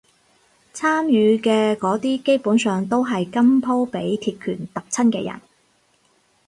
參與嘅嗰啲基本上都係今鋪畀鐵拳揼親嘅人